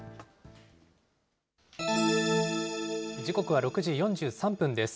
時刻は６時４３分です。